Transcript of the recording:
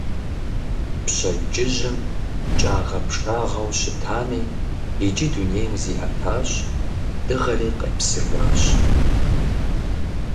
Пщэдджыжьым кӀагъэпшагъэу щытами, иджы дунейм зиӀэтащ, дыгъэри къепсыжащ.